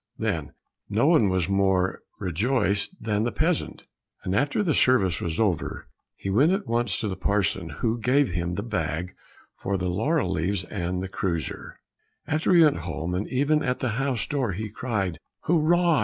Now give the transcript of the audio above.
Then no one was more rejoiced than the peasant, and after the service was over, he went at once to the parson, who gave him the bag for the laurel leaves and the kreuzer. After that he went home, and even at the house door he cried, "Hurrah!